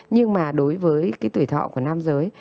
nhưng mà đối với cái tuổi thọ của nam giới